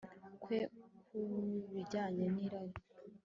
kwe ku bijyanye n'irari